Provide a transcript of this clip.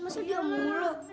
masih diam mulu